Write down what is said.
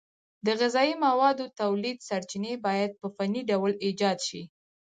د غذایي موادو تولید سرچینې باید په فني ډول ایجاد شي.